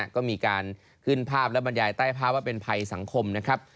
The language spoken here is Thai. ก็มีการขึ้นภาพและบรรยายใต้ภาพว่าเป็นภัยสังคมนะครับ